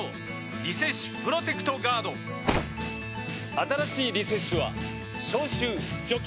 「リセッシュプロテクトガード」新しい「リセッシュ」は消臭・除菌